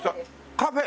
カフェ？